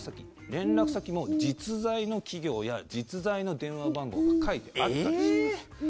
連絡先も実在の企業や実在の電話番号が書いてあったりします。